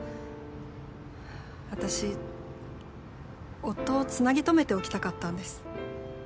私夫をつなぎ止めておきたかったんです。